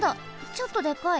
ちょっとでかい。